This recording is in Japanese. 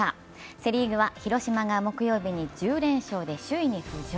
セ・リーグは広島が木曜日に１０連勝で首位に浮上。